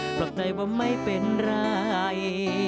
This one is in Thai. ปลอกใจว่าไม่เป็นไร